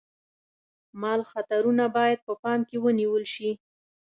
مال خطرونه باید په پام کې ونیول شي.